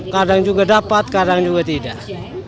kadang juga dapat kadang juga tidak